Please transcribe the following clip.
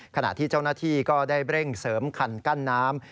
ขณะที่เจ้าหน้าที่ก็ได้เร่งเสริมคันกั้นน้ำ